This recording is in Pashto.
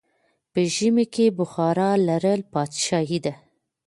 په ژمی کې بخارا لرل پادشاهي ده.